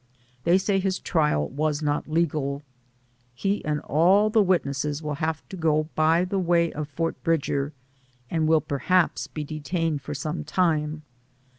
They say his trial was not legal. He and all the wit nesses will have to go by the way of Fort Bridger, and will perhaps be detained for some time.